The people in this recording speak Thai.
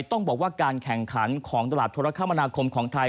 ต้องบอกว่าการแข่งขันของตลาดโทรคมนาคมของไทย